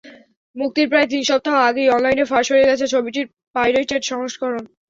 মুক্তির প্রায় তিন সপ্তাহ আগেই অনলাইনে ফাঁস হয়ে গেছে ছবিটির পাইরেটেড সংস্করণ।